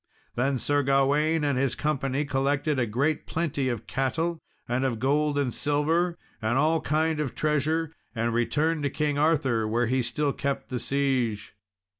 Then Sir Gawain and his company collected a great plenty of cattle, and of gold and silver, and all kind of treasure, and returned to King Arthur, where he still kept the siege.